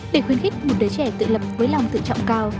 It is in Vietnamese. để khuyến khích một đứa trẻ tự lập với lòng tự trọng cao